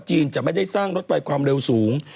จะไม่ได้สร้างรถไฟความเร็วสูง